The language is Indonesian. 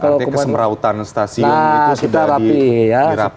artinya kesemrautan stasiun itu sudah dirapikan begitu